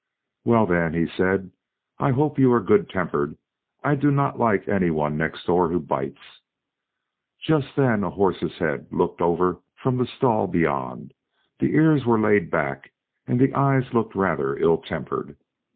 "Well, then," he said, "I hope you are good tempered; I do not like any one next door who bites." Just then a horse's head looked over from the stall beyond; the ears were laid back, and the eye looked rather ill tempered.